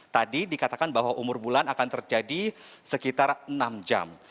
tadi dikatakan bahwa umur bulan akan terjadi sekitar enam jam